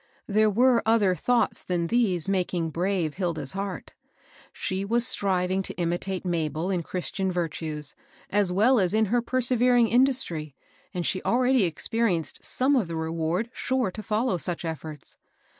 There were other thoughts than these making brave Hilda's heart. She was striving to imitate Mabel in Christian virtues, as well as in her perse vering industry, and she already experienced some of the reward sure to follow such efforts.